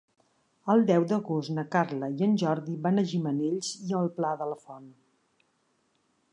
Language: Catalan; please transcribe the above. El deu d'agost na Carla i en Jordi van a Gimenells i el Pla de la Font.